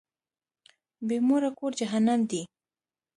بی موره کور جهنم دی.